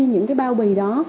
những cái bao bì đó